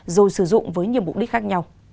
rồi sử dụng với nhiều mục đích khác nhau